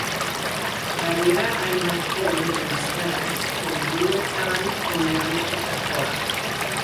Badira hainbat film euskaraz, liburuetan oinarritutakoak.